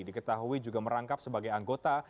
diketahui juga merangkap sebagai anggota